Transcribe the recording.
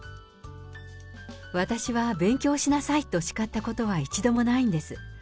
私は勉強しなさい！と叱ったことは一度もないんです。